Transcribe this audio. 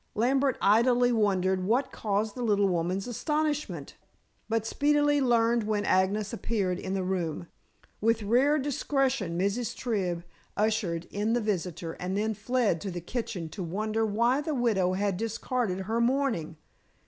Lambert idly wondered what caused the little woman's astonishment, but speedily learned when Agnes appeared in the room. With rare discretion Mrs. Tribb ushered in the visitor and then fled to the kitchen to wonder why the widow had discarded her mourning.